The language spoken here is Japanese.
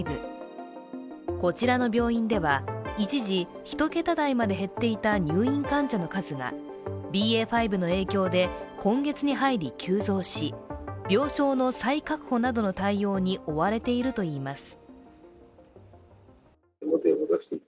こちらの病院では一時、１桁台まで減っていた入院患者の数がＢＡ．５の影響で今月に入り急増し病床の再確保などの対応に追われているといいます。